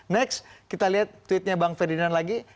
next kita lihat tweetnya bang ferdinand lagi